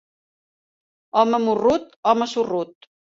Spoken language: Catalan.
Home morrut, home sorrut.